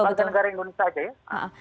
warga negara indonesia aja ya